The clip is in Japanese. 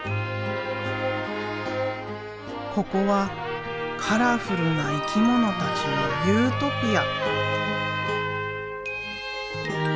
ここはカラフルな生き物たちのユートピア。